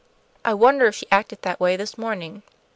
"I wonder if she acted that way this morning."